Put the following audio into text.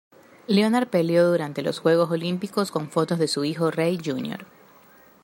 Leonard peleó durante los Juegos Olímpicos con fotos de su hijo Ray jr.